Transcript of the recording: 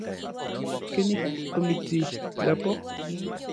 ¿Kenik omitsixtlapoj?